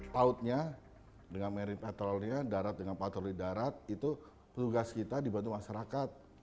tautnya dengan meri petrolinya darat dengan patroli darat itu tugas kita dibantu masyarakat